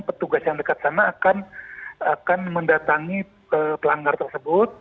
petugas yang dekat sana akan mendatangi pelanggar tersebut